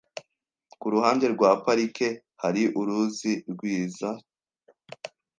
Kuruhande rwa parike hari uruzi rwiza.